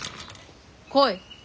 来い。